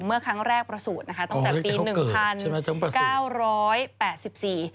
เมื่อครั้งแรกประสูจน์ตั้งแต่ปี๑๙๘๔